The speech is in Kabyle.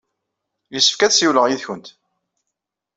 Yessefk ad ssiwleɣ yid-went.